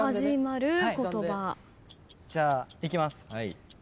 じゃあいきます。